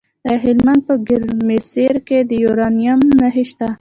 د هلمند په ګرمسیر کې د یورانیم نښې شته.